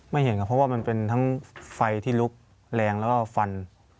ไม่เห็นครับเพราะว่ามันเป็นทั้งไฟที่ลุกแรงแล้วก็ฟัน